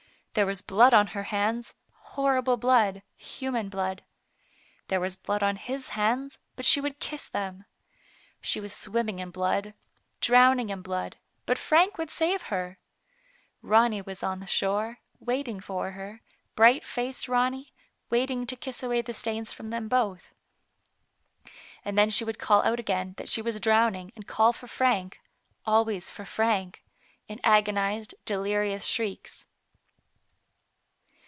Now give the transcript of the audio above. There was blood on her hands, horrible blood, human blood. There was blood on his hands, but she would kiss them. She was swimming in blood, drowning in blood, but Frank would save her. Ronny was on the shore, waiting for her, bright faced Ronny, waiting to kiss away the stains from them both. And then she would call out again that she was drowning, and call for Frank, always for Frank, in agonized, delirious shrieks.